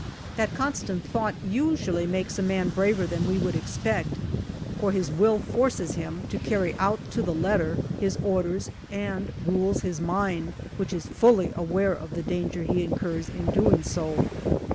That constant thought usually makes a man braver than we would expect, for his will forces him to carry out to the letter his orders and rules his mind, which is fully aware of the danger he incurs in doing so.